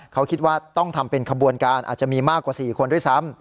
เขาคิดว่าต้องทำเป็นขบวนการอาจจะมีมากกว่า๔คนด้วยซ้ำ